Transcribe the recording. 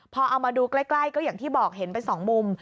พอเอามาดูใกล้ก็อย่างที่บอกเห็นไปสองมุม